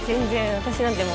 私なんてもう。